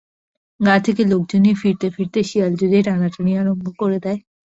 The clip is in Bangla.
গাঁ থেকে লোকজন নিয়ে ফিরতে ফিরতে শেয়াল যদি টানাটানি আরম্ভ করে দেয়?